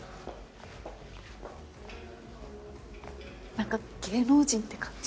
何か芸能人って感じ。